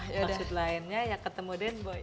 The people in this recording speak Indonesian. maksud lainnya ya ketemu den boy